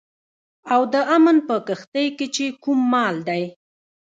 او د امن په کښتئ کې چې کوم مال دی